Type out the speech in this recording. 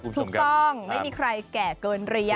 ถูกต้องไม่มีใครแก่เกินเรียน